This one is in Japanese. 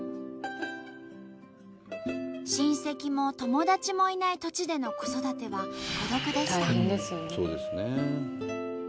親戚も友達もいない土地での子育ては孤独でした。